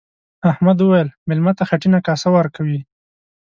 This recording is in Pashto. احمد وويل: مېلمه ته خټینه کاسه ورکوي.